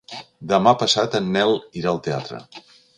Demà passat en Nel irà al teatre.